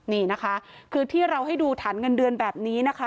นี่นะคะคือที่เราให้ดูฐานเงินเดือนแบบนี้นะคะ